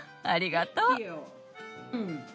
ありがとう。